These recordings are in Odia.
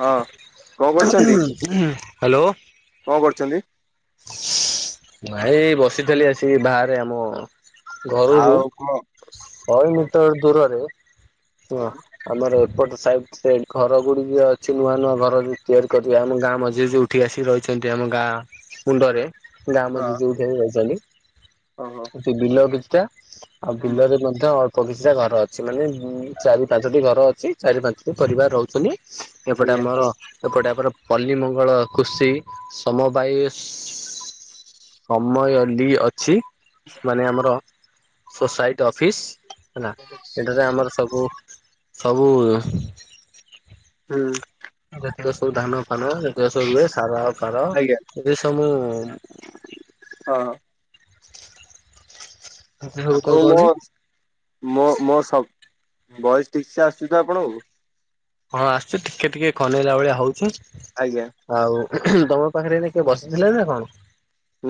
ହଁ କଣ ହୁଁ କରୁଛନ୍ତି ହୁଁ ହୁଁ ହାଲୋ। କଣ କରୁଛନ୍ତି? ନାଇ ଏଇ ବସିଥିଲି ଆସି ବାହାରେ ଆମ ଘରୁରୁ ଆଉ କଣ ଶହେ ମି ହୁଁ ଟର ଦୂରରେ [unintelligible] ହୁଁ ଆମର ଏପଟ ସାଇଟ୍ [unintelligible] ଘରଗୁଡିକ ଅଛି। ନୂଆ ନୂଆ ଘର ବି ତିଆରି କରି ଆମ ଗାଁ ମଝିରୁ ଉଠି ଆିସି ରହିଛନ୍ତି। ଆମ ଗାଁ ମୁଣ୍ଡରେ। ଗାଁ ହଁ ମଝି ଯୋଉଠି ଆସି ରହୁଛନ୍ତି। ଓହୋ। ସେ ବିଲ କିଛିଟା। ଆଉ ହୁଁ ବିଲରେ ମଧ୍ୟ ଅଳ୍ ପ କିିଛିଟା ଘର ଅଛି। ମାନେ ଉଁ ଚାରି ପାଞ୍ଚଟି ଘର ଅଛି। ଚାରି ପାଞ୍ଚଟି ପରିବାର ରହୁଛନ୍ତି। ଏପଟେ ଆଜ୍ଞା ଆମର ଏପଟେ ଆମର ପଲ୍ଲୀ ମଙ୍ଗଳ ଖୁସିି ସମବାୟି ସମୟଲି ଅଛି। ମାନେ ଆମର ସୋସାଇଟି ଅଫିସ୍। ହେଲା ସେଠାରେ ଆମର ସବୁ ସବୁ ହୁଁ। ଯେତିକ ସବୁ ଧାନ ଫାନ ଯେତିକ ସବୁ ରୁହେ ସାର ଆଉ ଫାର। ଆଜ୍ଞା ଏଠି ସବୁ ଉଁ ହଁ। ସବୁ କଣ ଆପଣଙ୍କୁ ମୋ କହନି ସ୍ ମୋ-ମୋ ସ ଭଏସ୍ ଠିକ୍ ସେ ଆସୁଛି ତ ଆପଣଙ୍କୁ? ହଁ ଆସୁଛି। ଟିକେ ଟିକେ ଖନେଇଲା ଭଳିଆ ହଉଛି। ଆଜ୍ଞା। ଆଉ ତମ ପାଖେରେ ଏଇନା କିଏ ବସିଥିଲେ ନା କଣ?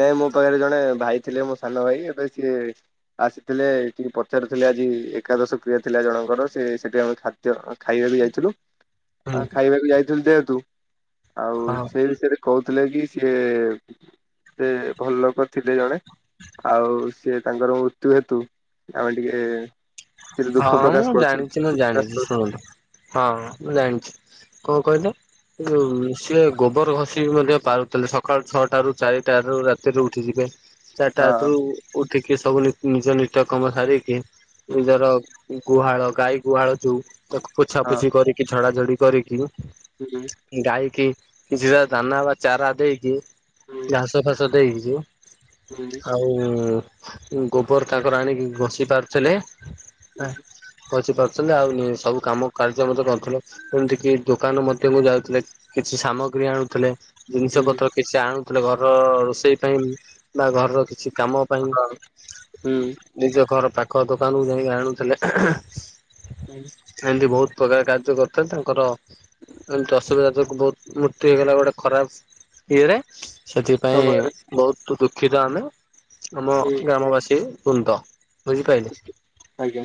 ନାଇଁ ମୋ ପାଖେରେ ଜଣେ ଭାଇ ଥିଲେ ମୋ ସାନ ଭାଇ ଏବେ ସିଏ ଆସିଥିଲେ ଟିକେ ପଚାରୁ ଥିଲେ ଆଜି ଏକାଦଶ କ୍ରିୟା ଥିଲା ଜଣଙ୍କର ସେ ସେଇଠି ଆମେ ଖା ଦ୍ୟ ଖାଇବାକୁ ଯାଇଥିଲୁ। ହୁଁ ଆ ଖାଇବାକୁ ଯାଇଥିଲୁ ଯେହେତୁ ଆଉ ହଁ ସେଇ ବିଷୟରେ କହୁଥିଲେ କି ସିଏ ସେ ଭଲ ଲୋକ ଥିଲେ ଜଣେ। ଆଉ ସେ ତାଙ୍କର ମୃତ୍ୟୁ ହେତୁ ଆମେ ଟିକେ ଟିକେ ଦୁଃଖ ହଁ ମୁଁ ପ୍ରକାଶ କରୁଛୁ। ଜାଣିଛି ମୁଁ ପ୍ରକାଶ ଜାଣିଛି କରୁଛୁ ଶୁଣନ୍ତୁ। ହଁ ମୁଁ ଜାଣିଛି। କଣ କହିଲ ଯୋଉଁ ସିଏ ଗୋବର ଘଷି ମଧ୍ୟ ପାରୁ ଥିଲେ ସକାଳୁ ଛଅଟାରୁ ଚାରିଟାରୁ ରାତିରୁ ଉଠି ଯିବେ। ଚାରିଟା ହଁ ରାତିରୁ ଉଠିକି ସବୁ ନି-ନିଜ ନିତ୍ୟ କର୍ମ ସାରିକି ହୁଁ ନିଜର ଉଁ ଗୁହାଳ ଗାଈ ଗୁହାଳ ଯୋଉ ତାକୁ ହଁ ପୋଛାପୋଛି କରି କି ଝଡାଝଡି କରିକି ହୁଁ। ଗାଈ କିି କିଛିଟା ଦାନା ବା ଚାରା ଦେଇକି, ହୁଁ ଘାସ ଫାସ ଦେଇକି ହ [inaudible] ଆଉଁ ଗୋବର ତାଙ୍କର ଆଣିକି ଘଷି ପାରୁଥିଲେ। ଆଁ ପସିି ପାରୁଥୁଲେ ଆଉ ନି ସବୁ କାମ କାର୍ଯ୍ୟ ମଧ୍ୟ କରୁଥିଲେ ଏମିତି କିି ଦୋକାନ ମଧ୍ୟ କୁ ଯାଉଥୁଲେ। କିଛି ସାମଗ୍ରୀ ଆଣୁଥୁଲେ। ଜିନିଷ ହୁଁ ପତ୍ର କିଛି ଆଣୁଥୁଲେ ଘରର ରୋଷେଇ ପାଇଁ ବା ଘରର କିଛି କାମ ପାଇଁ ହଁ ହୁଁ ନିଜ ଘର ପାଖ ଦୋକାନକୁୁ ଯାଇକି ଆଣୁଥୁଲେ। [unintelligible] ଏମିତି ବୋହୁତ ପ୍ରକାର କାର୍ଯ୍ୟ କରିଥାଏ ତାଙ୍କର ଏମିତି ଅସୁବିଧା ଯୋଗୁ ବୋହୁତ [unintelligible] ହେଇଗଲା ଗୋଟେ ଖରାପ ଇଏରେ ସେଥିପାଇଁ ସମୟରେ ବୋହୁତୁ ଦୁଃଖିତ ଆମେ। ଆମ ହୁଁ ଗ୍ରାମବାସୀ ବୃନ୍ଦ ବୁଝିପାଇଲେ। ଆଜ୍ଞା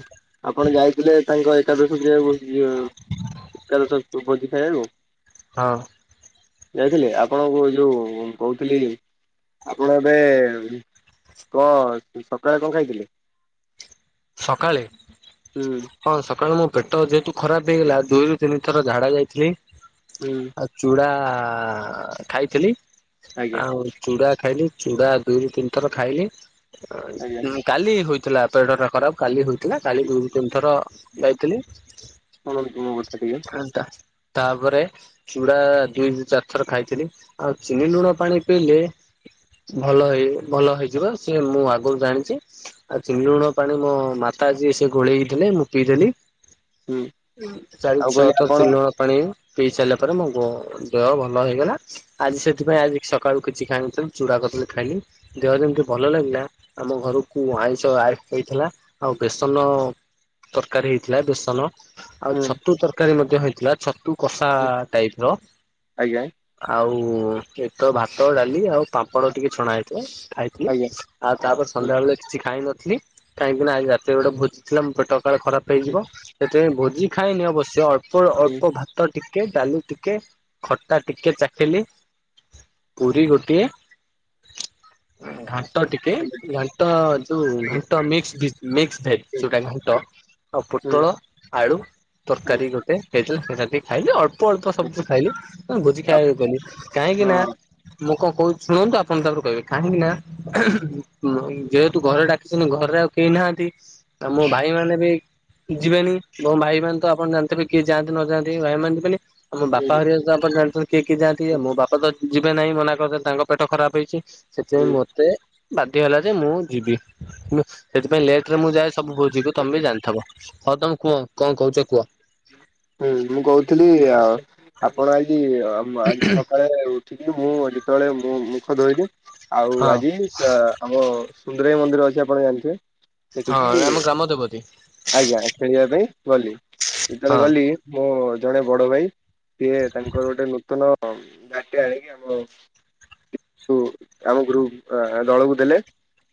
ଆପଣ ଯାଇଥିଲେ ତାଙ୍କ ଏକାଦଶ କ୍ରିୟାକୁ [unintelligible] ଏକାଦଶ କୁ ଭୋଜି ଖାଇବାକୁ। ହଁ। ଯାଇଥିଲେ ଆପଣଙ୍କୁ ଯୋଉ ଉଁ କୋହୁଥିଲି। ଆପଣ ଏବେ କଁ ସକାଳେ କଁ ଖାଇଥିଲେ। ସକାଳେ ହୁଁ। ହଁ ସକାଳୁ ମୋ ପେଟ ଯେହେତୁ ଖରାପ ହେଇଗଲା ଦୁଇ ରୁ ତିନି ଥର ଝାଡା ଯାଇଥିଲି। ହୁଁ। ଆଉ ଚୁଡ଼ା ଆ ଖାଇଥିଲି ଆଜ୍ଞା ଆଉ ଚୁଡ଼ା ଖାଇଲି ଚୁଡା ଦୁଇରୁ ତିନି ଥର ଖାଇଲି ଅଁ ଆଜ୍ଞା ଉଁ କାଲି ହୋଇଥିଲା [unintelligible] ଖରାପ କାଲି ହୋଇଥିଲା କାଲି ଦୁଇରୁ ତିନ ଥର ଯାଇଥିଲି ଶୁଣନ୍ତୁ ମୋ କଥା ଟିକେ ଝାଡ଼ା ତାପରେ ଚୁଡା ଦୁଇରୁ ଚାରି ଥର ଖାଇଥିଲି ଆଉ ଚିନି ଲୁଣ ପାଣି ପିଇଲେ ଭଲ ହେଇ ଭଲ ହେଇଯିବ ସିଏ ମୁଁ ଆଗରୁ ଜାଣିଚି ଆଉ ଚିନି ଲୁଣ ପାଣି ମୋ ମାତା ଯିଏ ସିଏ ଗୋଳେଇ କି ଦେଲେ ମୁଁ ପିଇଦେଲି। ହୁଁ ଉଁ ଚାରି ଆଉ କହିଲେ ଛଅଥର ଆପଣ ଚିନି [unintelligible] ପାଣି ପିଇସାଇଲା ପରେ ମୋ [unintelligible] ଦେହ ଭଲ ହେଇଗଲା। ଆଜି ସେଥିପାଇଁ ଆଜି ସଖାଳୁ କିଛି ଖାଇନଥିଲି ଚୁଡ଼ା କଦଳୀ ଖାଇଲି। ଦେହ ଯେମିତି ଭଲ ଲାଗିଲା ଆମ ଘରୁକୁ ଆଇଁଷ ଆଇ ହେଇଥେଲା ଆଉ ବେସନ ତରକାରୀ ହେଇଥିଲା ବେସନ ଆଉ ହୁଁ ଛତୁ ତର କାରୀ ମଧ୍ୟ ହେଇଥିଲା ଛତୁ କଷା ଟାଇପ ର। ଆଜ୍ଞା ଆଉ ଏତ ଭାତ ଡାଲି ଆଉ ପାମ୍ପଡ଼ ଟିକେ ଛଣା ହେଇଥିଲା ଖାଇ ଆଜ୍ଞା। ଥିଲି ଆଉ ତାପରେ ହୁଁ ସନ୍ଧ୍ୟା [unintelligible] କିଛି ଖାଇ ନଥିଲି। କାହିଁକିନା ଆଜି ରାତିରେ ଗୋଟେ ଭୋଜିିଥିଲା ମୋ ପେଟ କାଳେ ଖରାପ ହୁଁ, ହେଇଯିବ ସେଥିପାଇଁ ଭୋଜି ଖାଇନି ଅବଶ୍ୟ ଅଳ୍ପ ହୁଁ, ଅଳ୍ପ ଭା ତ ଟିକେ ଡାଲ ଟିକେ ଖଟା ଟିକେ ଚାଟିଲି। ପୁରୀ ଗୋଟିଏ ଘାନ ଣ୍ଟ ଟିକେ ଆଜ୍ଞା, ଘାଣ୍ଟ ଯୋଉ ଆଜ୍ଞା, ଘାଣ୍ଟ ମିକ୍ସ ଭିଜ୍ ମିକ୍ସ ଭେ ହୁଁ, [unintelligible] ଘାଣ୍ଟ ଆଉ ହୁଁ, ପୋଟୋଳୋ ଆଳୁ ତରକାରୀ ହୁଁ, ଗୋଟେ ହେଇଥିଲା [unintelligible] ଏତିକି ଖାଇଲି ଅଳ୍ ଳ୍ପ ଅଳ୍ପ ସବୁ [unintelligible] ଖାଇଲି ଭୋଜି ଆ- ଖାଇବା କୁ ଗଲି କାହିଁକି ନା ହଁ, ମୁଁ କଁ କୋହୁଚି ଶୁଣନ୍ତୁ ଆପଣ ତାପରେ କହିବେ କାହିଁକି ନା ଉଁ ଯେହେତୁ ଘରେ ଡାକି [unintelligible] ଘରେ ଆଉ କେହି ନାହାନ୍ତି ଆଉ ମୋ ଭାଇ ମାନେ ବି ଯିବେନି ମୋ ଭାଇ ମାନ ତ ଆପଣ ଜାଣିଥିବେ କିଏ ଯାଆନ୍ତି ନ ଯାନ୍ତି ଭାଇ ମାନେ ଯିବେନି ଆଉ ମୋ ବାପା ହୁଁ, ହାରିଆ ତ ଆପଣ ଜାଣିଚନ୍ତି। କିଏ କିଏ ଯାଆନ୍ତି ଆଉ ମୋ ବାପା ତ ଯିବେ ନାହିଁ ମନା କରିଦେଲେ ତାଙ୍କ ପେଟ ଖରାପ ହେଇଛି ସେଥିପାଇଁ ହୁଁ, ମତେ ବାଧ୍ୟ ହେଲା ଯେ ମୁଁ ଯିବି ମୁଁ ସେଥିପାଇଁ ଲେଟରେ ମୁଁ ଯାଏ ସବୁ ଭୋଜି କୁ ତମେ ବି ଜାଣିଥବ। ହଉ ତମେ କୁହ କଁ କୋହୁଚ କୁଅ? ହୁଁ ମୁଁ କୋହୁଥିଲି ଆ ଆପଣ ଆଜି ଆ ମା ଆଜି ସଖାଳେ ଉ ଠିକି ମୁଁ ଯେତୋବୋଳେ ମୁଁ ମୁଖ ଧୋଇଲି ଆଉ ହଁ ଆଜି ସା ଆମ [unintelligible] ମନ୍ଦିର ଅଛି ଆପଣ ଜାଣିଥିବେ ହଁ ସେଠିକି ଆମ ଗ୍ରାମ ଦେବତୀ ଆଜ୍ଞା ଖେଳିବା ପାଇଁ ଗଲି ଯେତେବେଳେ ହଁ ଗଲି ମୋ ଜଣେ ବଡ ଭାଇ ସିଏ ତାଙ୍କର ଗୋଟେ ନୂତନ ଗାଟେ ଆଣିକି ଆମ କିନ୍ତୁ ଆମ ଗ୍ରୁପ ଦଳକୁ ଦେଲେ।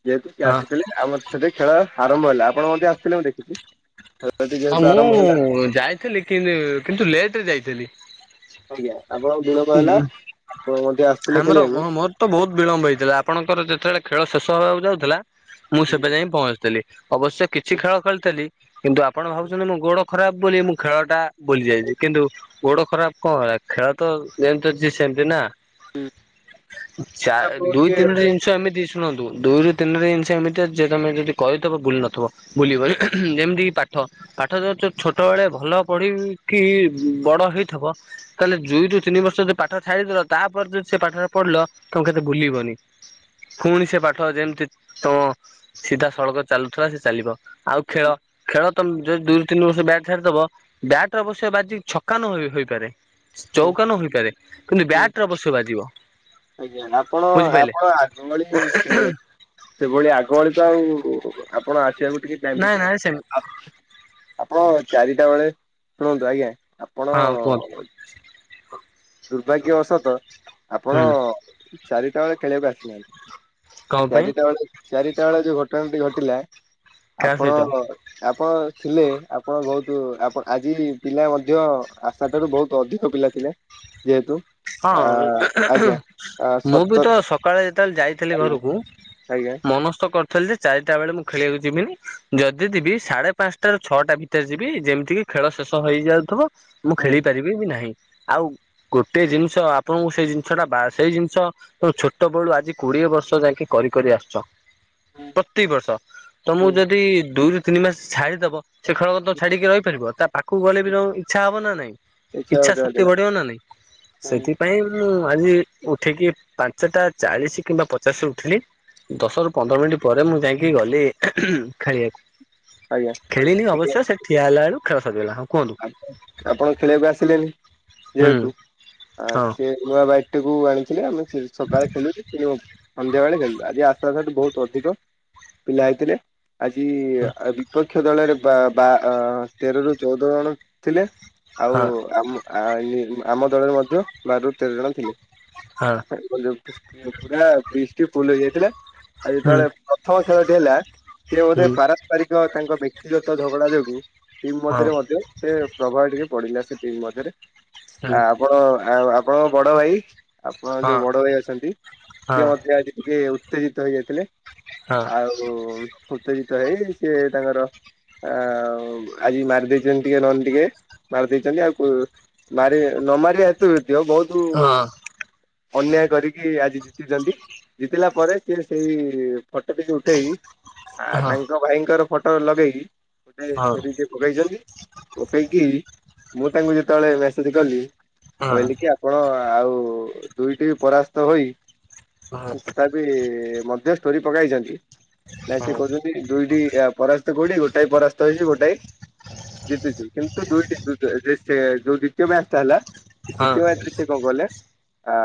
ଯେହେତୁ କି ହଁ। ଆସିଥିଲେ ଆମର ସେଠି ଖେଳ ଆରମ୍ଭ ହେଲା। ଆପଣ ମଧ୍ୟ ଆସିଥିଲେ ମୁଁ ଦେଖିଚି। ହଁ ମୁଁ ଯାଇଥିଲି କିନ କିନ୍ତୁ ଲେଟ୍ ରେ ଯାଇଥିଲି। ଆଜ୍ଞା ଆପଣ ଆଉ ଦିନ କଣ ହେଲା ଆପଣ ମଧ୍ୟ ଆସିଥିଲେ ଆମର ଖେଳିଆକୁ। ମୋର ତ ବହୁତ ବିଳମ୍ବ ହେଇଥିଲା। ଆପଣଙ୍କର ଯେତେବେଳେ ଖେଳ ଶେଷ ହବାକୁ ଯାଉଥିଲା ମୁଁ ସେବେ ଯାଇଁ ପହଞ୍ଚିଥିଲି। ଅବଶ୍ୟ କିଛି ଖେଳ ଖେଳିଥିଲି। କିନ୍ତୁ ଆପଣ ଭାବୁଛନ୍ତି ମୋ ଗୋଡ ଖରାପ ବୋଲି ମୁଁ ଖେଳଟା ବୁଲି ଯାଇଛି କିନ୍ତୁ ଗୋଡ ଖରାପ କଣ ହେଲା ଖେଳ ତ ଯେମିତି ଅଛି ସେମିତି ନା। ଚା ଆପଣ ଦୁଇ ଟିକେ ତିନି ଦିନ୍। ଛୁଆ ଏମିତି ଶୁଣନ୍ତୁ ଦୁଇରୁ ତିନିଟି ଜିନିଷ ଏମିତି ଅଛି ଯେ ତମେ ଯଦି କହିଥିବ ବୁଲି ନଥିବ। ଭୁଲିବନ ଯେମିତି କି ପାଠ। ପାଠ ଯ ଚୋ ଛୋଟ ବେଳେ ଭଲ ପଢିକି ବଡ ହେଇଥିବ। ତାହାଲେ ଦୁଇ ରୁ ତିନ ବର୍ ଯଦି ପାଠ ଛାଡିଦେଲ ତାପରେ ଯଦି ସେ ପାଠରେ ପଢିଲ ତମକୁ କେତେ ଭୁଲିବନି। ପୁଣି ସେ ପାଠ ଯେମିତି ତମ ସିଧା ସଳକ ଚାଲୁଥିଲା ସେ ଚାଲିବ ଆଉ ଖେଳ ଖେଳ ତମ ଯୋଉ ଦୁ ତିନ ବର୍ଷ ବ୍ୟାଟ୍ ଧରିଦବ ବ୍ୟାଟ୍ ଅବଶ୍ୟ ବାଜି ଛକାନୁ ହୋଇପାରେ ଚୌକାନୁ ହୋଇପାରେ। କିନ୍ତୁ ବ୍ୟାଟ୍ ରେଅବଶ୍ୟ ବାଯିବ। ଆଜ୍ଞା ଆପଣ ଆପଣ ଆଗ ଗଳି ସେଭଳି ଆଗ ଗଳି ତ ଆଉ ଆପଣ ଆସିବାକୁ ଟିକେ ଟାଇମ୍ ନାଇଁ ଦେବେ ନାଇଁ ସେମିତି ଆ ଆପଣ ଚାରିଟା ବେଳେ ଶୁଣନ୍ତୁ ଆଜ୍ଞା ଆପଣ ହଁ କୁହନ୍ତୁ ଦୁର୍ଭାଗ୍ୟବଶତ ଆପଣ ହୁଁ ଚାରିଟା ବେଳେ ଖେଳିବାକୁ ଆସିନାହାନ୍ତି। କଣ ପାଇଁ ଚାରିଟା ବେଳେ ଚାରିଟା ବେଳେ ଯୋଉ ଘଟଣାଟି ଘଟିଲା। କାହା ଆପଣ ସହିତ ଆପଣ ଥିଲେ ଆପଣ ବହୁତ ଆପଣ ଆଜି ପିଲା ମଧ୍ୟ ଆ ସେଠାରୁ ବହୁତ ଅଧିକ ପିଲା ଥିଲେ ଯେହେତୁ। ଆ ହଁ ଆଜ୍ଞା ଆ ମୁଁ ବି ସତର ତ ସ ସକାଳେ ଯେତେବେଳେ ଯାଇଥିଲି ଆଜ୍ଞା ଘରକୁ ଆଜ୍ଞା। ମନସ୍ତ ଥିଲି ଯେ ଚାରଟା ବେଳେ ମୁଁ ଖେଳିବାକୁ ଯିବିନି ଯଦିଥିବି ସାଢେ ପାଞ୍ଚଟାରୁ ଛଅଟା ଭି ଭିତରେ ଯିବି ଯେମିତି କି ଖେଳ ଶେଷ ହେଇଯାଉଥିବ ମୁଁ ହୁଁ ଖେଳି ପାରିବି ବି ନାହିଁ। ଆଉ ଗୋଟେ ଜିନିଷ ଆପଣଙ୍କୁ ସେଇ ଜିନିଷଟା ବା ସେଇ ଜିନିଷ। ତେଣୁ ଛୋଟ ବେଳୁ ଆଜି କୋଡିଏ ବର୍ଷ ଯାଇକି କରିରି ଆସିଛ। ପ୍ରତିିବର୍ଷ ତ ମୁଁ ହୁଁ ଯଦି ଦୁଇରୁ ତିନି ମାସ ଛାଡିଦବ ସେ ଖେଳ କ ତୁ ଛାଡିକି ରହିପାରିବ ତା ପାଖକୁ ଗଲେ ବି ଇଚ୍ଛା ହବ ନା ନାଇଁ। ଇଚ୍ଛା ହଉଚି ହେଲେ ଶକ୍ତି ବଢିବ ନା ନାଇଁ। ହୁଁ ସେଥିପାଇଁ ମୁଁ ଆଜି ଉଠେଇକି ପାଞ୍ଚଟା ଚାଳିଶ କିମ୍ବା ପଚାଶ ଉଠିଲି। ଦଶ ରୁ ପନ୍ଦର ମିନିଟ୍ ପରେ ମୁଁ ଯାଇକି ଗଲି ଖାଇବାକୁ। ଆଜ୍ଞା ଖେଳିଲି ଟିକେ ଅବଶ୍ୟ ସେ ଠିଆ ହେଲା ବଳୁ ଖେଳ ସରିଗଲା। ହଁ କୁହନ୍ତୁ? ଆପଣ ଖେଳିବାକୁ ଆସିଲେନି ହୁଁ ଯେହେତୁ ଆ ହଁ ସିଏ ନୂଆ ବାଇକ୍ ଟା କୁୁ ଆଣିଥିଲେ ଆମେ ସକାଳେ ଖେଳୁ ସନ୍ଧ୍ୟା ବେଳେ ଖେଳୁ ଆଜି ଆ ତା ସେଠୁ ବହୁତ ଅଧିକ ପିଲା ହେଇଥିଲେ ଆଜି ବିପକ୍ଷ ଦଳରେ ବା ବା ତେରରୁ ଚୋଉଦ ଜଣ ଥିଲେ ଆଉ ହଁ ଆମ ଆଇଲି ଆମ ଦଳରେ ମଧ୍ୟ ବାରରୁ ତେର ଜଣ ଥିଲେ। ହଁ। ଆଜି [unintelligible] ପୁରା ଫିଷ୍ଟି ହେଇଯାଇଥିଲା ଆଉ ହୁଁ ଯେତେବେଳେ ପ୍ରଥମ ଖେଳଟି ହେଲା। ସେ ବୋଧେ ହୁଁ ପାରସ୍ପରିକ ତାଙ୍କ ବ୍ୟକ୍ତିଗତ ଝଗଡା ଯୋଗୁ ଟିମ୍ ହଁ ମଧ୍ୟରେ ମଧ୍ୟ ସେ ପ୍ରଭାବ ଟିକେ ପଡିଲା ସେ ଟିମ୍ ମଧ୍ୟରେ ହୁଁ ଆ ଆପଣ ଆଉ ଆ ହଁ ବଡ଼ ଭାଇ ଆପଣଙ୍କ ହଁ ଯୋଉ ବଡ଼ ଭାଇ ଅଛନ୍ତି ସିଏ ମଧ୍ୟ ଆଜି ଟିକେ ଉ ଉତ୍ତେଜିତ ହେଇଯାଇଥିଲେ ହଁ ହଁ ଆଉ ଯୋ ଉତ୍ତେଜିତ ହେଇ ସିଏ ତାଙ୍କର ଆ ଆଜି ମାରିଦେଇ ଯେମ ଟିକେ ନହେଲେ ଟିକେ ମାରି ଦେଇଛନ୍ତି ଆଉ ମାରି ନ ମାରିବା ଏତୁ ଏ ଦିବ ବହୁତ ହଁ ଅନ୍ୟାୟ କରିକି ଆଜି ଜିତିଛନ୍ତି, ଜିତିଲା ପରେ ସିଏ ସେଇ ଫଟୋ ବି ଉଠେଇ ଆ ହଁ ହଁ ତାଙ୍କ ଭାଇଙ୍କର ଫଟୋ ଲଗେଇ ଗୋଟେ କରି ପକେଇଛନ୍ତି, ପକେଇକି ମୁଁ ତାଙ୍କୁ ଯେତେବେଳେ ମେସେଜ କଲି କହିଲି କି ଆପଣ ଆଉ ଦୁଇଟି ବି ପରାସ୍ତ ହୋଇ ହଁ ହଁ ହଁ ତଥାପି ମଧ୍ୟ ଷ୍ଟୋରି ପକାଇଛନ୍ତି, ନା ସେ ହଁ କହୁଛନ୍ତି ଦୁଇଟି ପରା କୋଉଠି ଗୋଟାଏ ପରାସ୍ତ ହେଇଛି ଗୋଟଏ। ଜିତୁଛୁ କିନ୍ତୁ ଦୁଇଟି ସେ ଯୋଉ ଦ୍ୱିତୀୟ ମ୍ୟାଚ ଟା ହେଲା ଦ୍ଵିତୀୟ ମ୍ୟାଚରେ ସେ କଣ କଲେ ଆ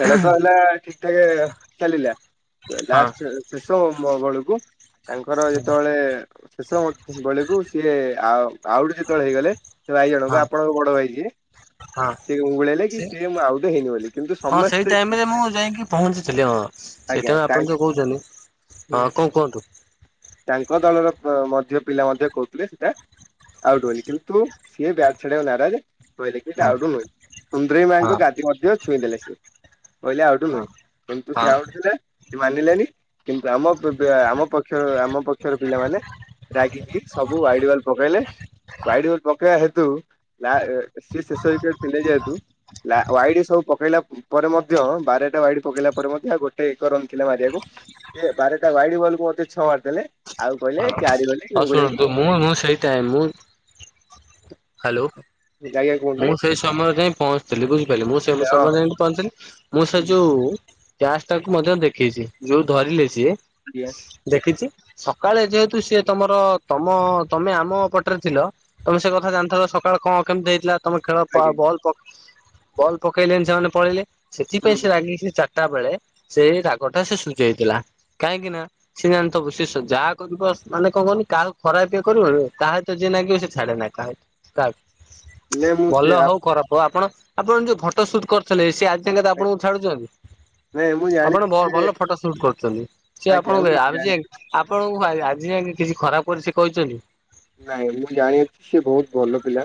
ଖେଳ ତ ହେଲା ଠିକ ଠାକେ ଚାଲିଲା ହଁ ଲାଷ୍ଟ ଶିଷୋମ ବେଳକୁ ତାଙ୍କର ଯେତେବେଳେ ଶେଷ ବେଳକୁ ସିଏ ଆ ଆଉଟ ଯେତେବେଳେ ହେଇଗଲେ ସେ ଭାଇ ଜଣକ ହଁ ଆପଣଙ୍କ ବଡ ଭାଇ ଯିଏ ହଁ ସେ ଗୁଳେଇଲେ କି ସେ ସିଏ ମୁଁ ଆଉଟ ହେଇନି ବୋଲି କିନ୍ତୁ ହଁ ସେଇ ସମସ୍ତେ ଟାଇମରେ ମୁଁ ଯାଇକି ପହଞ୍ଚିଥିଲି ହଁ। ଆଜ୍ଞା ସେଇଥିପାଇଁ ଆପଣ ଯୋଉ କହୁଛନ୍ତି ହଁ କଣ କୁହନ୍ତୁ? ତାଙ୍କ ଦଳର ପ ମଧ୍ୟ ପିଲା ମଧ୍ୟ କହୁଥିଲେ ସେଟା ଆଉଟ୍ ବୋଲି କିନ୍ତୁ ସିଏ ବ୍ୟାଟ୍ ଛାଡିଆକୁ ନାରାଜ। କହିଲେ କି ଏଟା ହଁ ଆଉଟ ନୁହେଁ, ସୁନ୍ଦରେଇ ମାଙ୍କ ହଁ ଗାଦି ମଧ୍ୟ ଛୁଇଁ ଦେଲେ ସିଏ। କହିଲେ ଆଉଟୁ ହଁ ନୁହେଁ କିନ୍ତୁ ହଁ ସିଏ ଆଉଟ ଥିଲେ କି ମାନିଲେନି କିନ୍ତୁ ଆମ ପପ ଆମ ପଖ ତ ଆମ ପକ୍ଷର ପିଲାମାନେ ରାଗିକି ସବୁ ୱାଇଡ ୱାଲ ପକାଇଲେ। ୱାଇଡ଼ ବଲ ପକେଇ ଵା ହେତୁ ତା ଏ ସେ ଶେଷ ଉଇକେଟ ଥିଲେ ଯହେତୁ ଲା ୱାଇଡି ସବୁ ପକେଇଲା ପରେ ମଧ୍ୟ ବାରେଟା ୱାଇଡି ପକେଇଲା ପରେ ମଧ୍ୟ ଆଉ ଗୋଟେ ଏକ ରନ୍ ଥିଲା ମାରିବାକୁ। ସିଏ ବାରେଟା ୱାଇଡି ବଲ୍ କୁ ମତେ ଛଅ ମାରିଦେଲେ ଆଉ କହିଲେ ଚାରି ବୋଲି। ହଁ ଗୁଙ୍ଗୁଳେଇକି ଶୁଣନ୍ତୁ ମୁଁ ମୁଁ ସେଇଟା ହିଁ ମୁଁ ହ୍ୟାଲୋ। ଯାଇ ଆଉ କ ମୁଁ ସେଇ ସମୟରେ ଯାଇ ପହଞ୍ଚିଥିଲି ବୁଝିପାଇଲେ, ମୁଁ ସେ ସମୟରେ ଯାଇ ପହଞ୍ଚିଲି ମୁଁ ସେ ହଁ ଯୋଉ କ୍ୟାଚ ଟାକୁ ମଧ୍ୟ ଦେଖିଚି, ଯୋଉ ଧରିଲେ ସିଏ ଗ୍ୟାସ୍ ଦେଖିଚି ସକାଳେ ଯେହେତୁ ସିଏ ତମର ତମ ତମେ ଆମ ପଟେରେ ଥିଲ। ତମେ ସେ କଥା ଜାଣିଥେଲ ସକାଳେ କଣ କେମତି ହେଇଥିଲା ତମେ ଖେଳ ପା ଆଜ୍ଞା ବଲ ପ ବଲ୍ ପକେଇଲେନି ସେମାନେ ପଳେଇଲେ ସେଥିପାଇଁ ସେ ହୁଁ ରାଗି କି ଚା ରଟା ବେଳେ ସେଇ ରାଗଟା ସେ ସୁଜେଇଥିଲା। କାହିଁକି ନା ସିଏ ଜାଣି ଥବୁ ସିଏ ସେ ଯାହା କରିବ ସ ମାନେ କଁ କହନୁ କାହାକୁ ଖରାପ ଇଏ କରିବନି ତା ସହିତ ଯିଏ ନାଗିବ ସେ ଛାଡେ ନା କାହାକୁ। କାହାକୁ ନାଇଁ ମୁଁ ସେ ଭଲ ଆ ହଉ ଖରାପ ହଉ ଆପଣ ଆପଣ ଯୋଉ ଫଟୋ ସୁଟ୍ କରି ରୁଥିଲେ ସେ ଆଜି ଯାଙ୍କେ ଆପଣଙ୍କୁ ଛାଡୁଚନ୍ତି। ନାଇଁ ମୁଁ ଆପଣ ଜାଣିଛି ବ ସେ ଭଲ ଫଟୋ ସୁଟ କରୁଚନ୍ତି ସିଏ ଆଜ୍ଞା ଆପଣଙ୍କୁ ମୁଁ ଏ ଆର ଜାଣି ଯିଏ ଆ ଆପଣଙ୍କୁ ଆ ଆ ଆଜି ଯାଙ୍କେ କିଛି ଖରାପ କରି ସେ କହିଚନ୍ତି? ନାଇଁ ମୁଁ ଜାଣିଅଛି ସେ ବହୁତ ଭଲ ପିଲା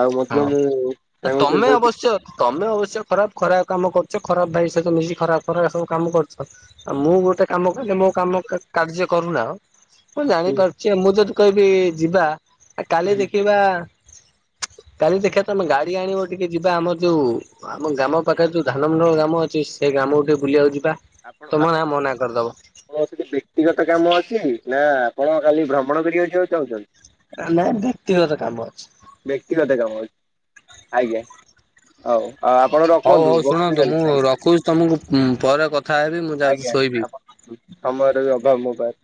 ଆଉ ହଁ। ମଧ୍ୟ ମୁଁ ତାଙ୍କ ତମେ ବିଷୟରେ ବହୁତ କି ଅବଶ୍ୟ ତମେ ଅବଶ୍ୟ ଖରାପ ଖରାପ କାମ କରୁଚ ଖରାପ ଭାଇ ସହିତ ମିଶି ଖରାପ ଖରାପ ଏରା ସବୁ କାମ କରୁଚ। ଆଉ ମୁଁ ଗୋଟେ କାମ କଲେ ମୋ କାମ କା କାର୍ଯ୍ୟ କରୁନାହଁ। ମୁଁ ହୁଁ ଜାଣିପାରୁଚି ମୁଁ ଯଦି କହିବି ଯିବା ଏ କାଲି ହୁଁ ଦେଖିବା। କାଲି ଦେଖିଆ ତମେ ଗାଡି ଆଣିବ ଟିକେ ଯିବା ଆମର ଯୋଉ ଆମ ଗ୍ରାମ ପାଖରେ ଯୋଉ ଧାନମୁଣ୍ଡଳ ଗ୍ରାମ ଅଛି ସେଇ ଗ୍ରାମ କୁ ଟିକେ ବୁଲିବାକୁ ଯିବା। ଆପଣ ତମ ନା ଆପଣ ମନା କରିଦବ ଉଁ ହଁ ସେଠି ବ୍ୟକ୍ତିଗତ କାମ ଅଛି ନା ଆପଣ ଖାଲି ଭ୍ରମଣ କରିବାକୁ ଯିବାକୁ ଚାହୁଁଛନ୍ତି। ନା ନା ବ୍ୟକ୍ତିଗତ କାମ ଅଛି। ବ୍ୟକ୍ତିଗତ କାମ ଅଛି, ଆଜ୍ଞା। ଆଉ ଆଉ ଆପଣ ହଉ ରଖନ୍ତୁ ହଉ ବହୁତ ଶୁଣନ୍ତୁ ମୁଁ ଦିନ ହେଲା, ରଖୁଛି ତମକୁ ପରେ କଥା ହେବି ମୁଁ ଯାଉଛି ଆଜ୍ଞା ଆଜ୍ଞା ଶୋଇବି। ଆପଣ ହୁଁ ସମୟର ବି ଅଭାବ ମୋ ପାଖରେ।